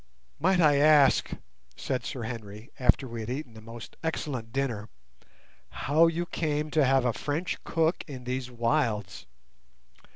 "Might I ask," said Sir Henry, after we had eaten a most excellent dinner, "how you came to have a French cook in these wilds?"